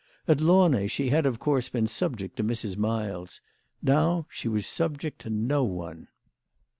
At Launay she had of course been subject to Mrs. Miles. Now she was subject to no one.